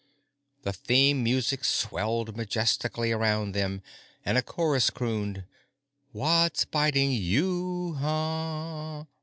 The theme music swelled majestically around them, and a chorus crooned, "What's Biting You—Hunh?"